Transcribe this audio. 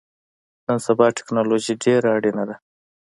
نن سبا ټکنالوژی ډیره اړینه ده